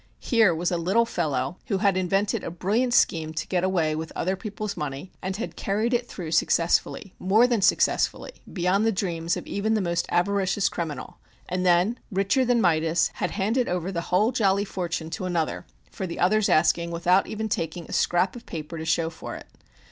Here was a little fellow who had invented a brilliant scheme to get away with other people's money and had carried it through successfully more than successfully, beyond the dreams of even the most avaricious criminal, and then, richer than Midas, had handed over the whole jolly fortune to another for the other's asking, without even taking a scrap of paper to show for it.